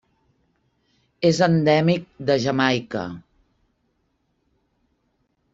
És endèmic de Jamaica.